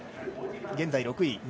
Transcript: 現在６位。